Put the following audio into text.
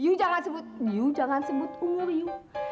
yuu jangan sebut yuu jangan sebut umur yuu